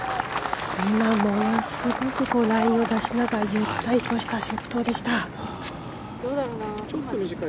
ものすごくラインを出しながらゆったりとしたショットでした。